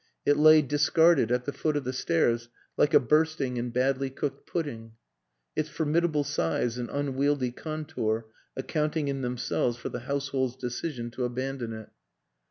It lay discarded at the foot of the stairs like a bursting and badly cooked pudding; its formidable size and unwieldy contour accounting in themselves for the household's decision to abandon it.